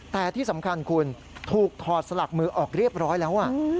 แต่ที่สำคัญคุณถูกถอดสลักมือออกเรียบร้อยแล้ว